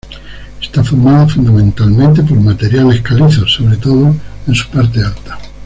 Está formada fundamentalmente por materiales calizos, sobre todo en su parte alta.